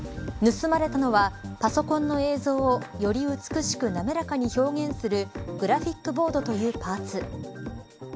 盗まれたのはパソコンの映像を、より美しく滑らかに表現するグラフィックボードというパーツ。